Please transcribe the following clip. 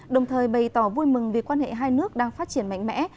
đồng thời bày tỏ vui mừng vì quan hệ hai nước đang phát triển mạnh mẽ